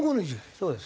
そうです。